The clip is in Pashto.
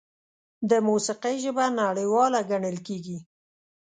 د موسیقۍ ژبه نړیواله ګڼل کېږي.